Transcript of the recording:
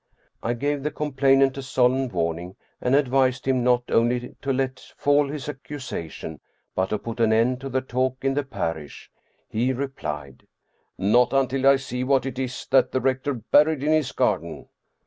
I gave the complainant a solemn warning and advised him not only to let fall his accusation, but to put an end to the talk in the parish. He replied, " Not until I see what it is that the rector buried in his garden."